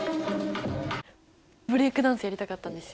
ブレイクダンスやりたかったんですよ。